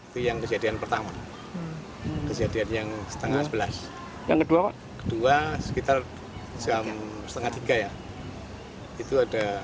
terima kasih yang kejadian pertama kejadian yang setengah sebelas yang kedua kedua sekitar jam setengah tiga ya itu ada